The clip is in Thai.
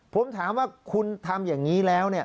ผมถามว่าคุณทำอย่างนี้แล้ว